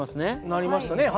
なりましたねはい。